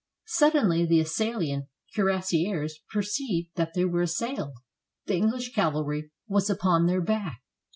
Suddenly the assailing cuirassiers perceived that they were assailed. The English cavalry was upon their back.